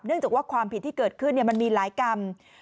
จากว่าความผิดที่เกิดขึ้นมันมีหลายกรรม